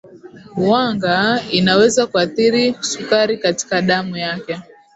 wanga inaweza kuathiri sukari katika damu yake